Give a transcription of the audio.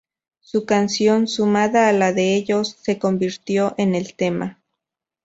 Su canción, sumada a la de ellos, se convirtió en el tema.